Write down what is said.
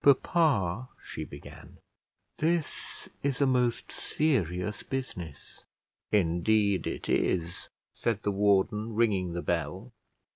"Papa," she began, "this is a most serious business." "Indeed it is," said the warden, ringing the bell.